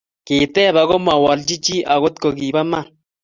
kiteeb ako mawolchi chi akot ko kibo iman